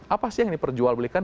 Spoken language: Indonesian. apa sih yang diperjual belikan